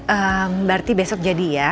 berarti besok jadi ya